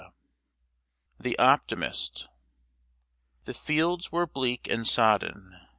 THE OPTIMIST The fields were bleak and sodden.